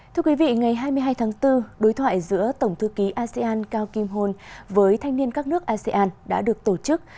thưa quý vị ngày hai mươi hai tháng bốn đối thoại giữa tổng thư ký asean cao kim hôn với thanh niên các nước asean đã được tổ chức